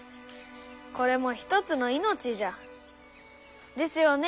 これも一つの命じゃ。ですよね？